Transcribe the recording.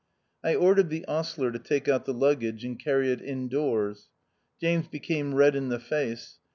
I ordered the ostler to take out the luggage and carry it in doors. James became red in the face.